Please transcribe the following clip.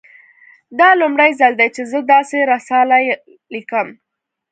دا لومړی ځل دی چې زه داسې رساله لیکم